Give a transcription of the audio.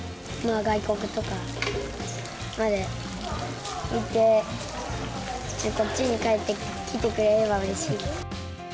外国とかまで行って、こっちに帰ってきてくれればうれしい。